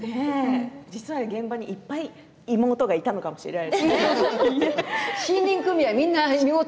実は、現場にいっぱい妹がいたのかもしれない。